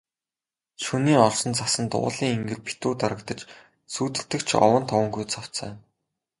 Шөнийн орсон цасанд уулын энгэр битүү дарагдаж, сүүдэртэх ч овон товонгүй цавцайна.